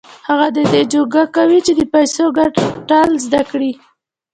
هغه د دې جوګه کوي چې د پيسو ګټل زده کړي.